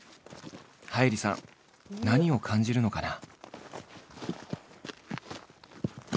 はいりさん何を感じるのかな？